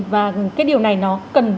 và cái điều này nó cần